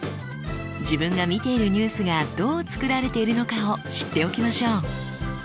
自分が見ているニュースがどう作られているのかを知っておきましょう。